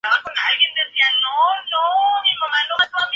A veces se agrega leche o crema a la mezcla de huevo.